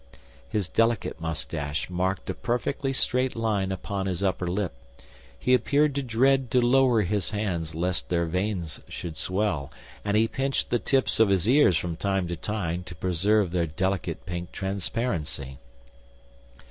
His delicate mustache marked a perfectly straight line upon his upper lip; he appeared to dread to lower his hands lest their veins should swell, and he pinched the tips of his ears from time to time to preserve their delicate pink transparency.